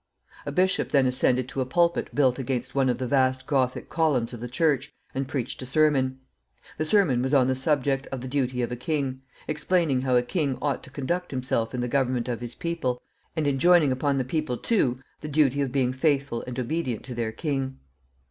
A bishop then ascended to a pulpit built against one of the vast Gothic columns of the church, and preached a sermon. The sermon was on the subject of the duty of a king; explaining how a king ought to conduct himself in the government of his people, and enjoining upon the people, too, the duty of being faithful and obedient to their king.